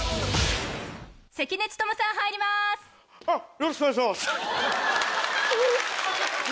よろしくお願いしまぁす！